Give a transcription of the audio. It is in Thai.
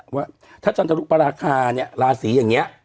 ว่าธันตรกปราคานี่ราศีอย่างนี้